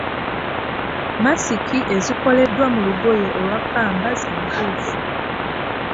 Masiki ezikoleddwa mu lugoye olwa ppamba z'entuufu.